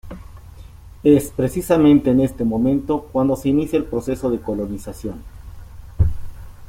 Es precisamente en este momento cuando se inicia el proceso de colonización.